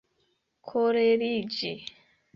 koleriĝi